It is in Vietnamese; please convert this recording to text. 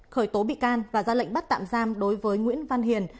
khởi tố bị can và ra lệnh bắt tạm giam đối với nguyễn văn hiền